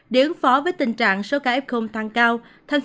điện phó với tình trạng số ca nặng ca tử vong và củng cố lại hệ thống y tế